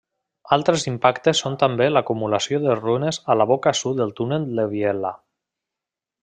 Altres impactes són també l'acumulació de runes a la boca sud del túnel de Vielha.